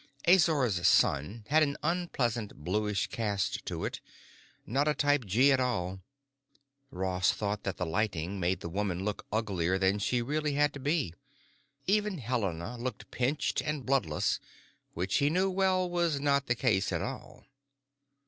Azor's sun had an unpleasant bluish cast to it, not a type G at all; Ross thought that the lighting made the woman look uglier than she really had to be. Even Helena looked pinched and bloodless, which he knew well was not the case at all.